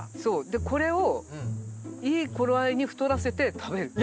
でこれをいい頃合いに太らせて食べる。